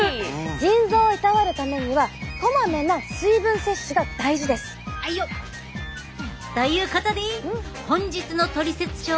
腎臓をいたわるためにはこまめな水分摂取が大事です。ということで本日の「トリセツショー」はこちらでお開き。